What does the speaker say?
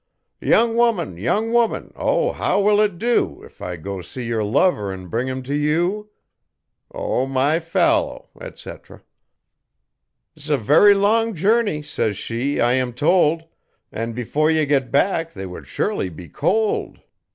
'Young woman, young woman, O how will it dew If I go see yer lover 'n bring 'em t' you?' O, my fallow, etc. ''S a very long journey,' says she, 'I am told, An' before ye got back, they would surely be cold.'